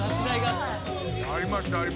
ありましたありました。